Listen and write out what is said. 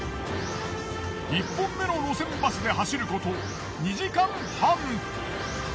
１本目の路線バスで走ること２時間半。